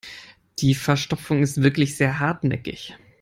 Die Verstopfung ist wirklich sehr hartnäckig.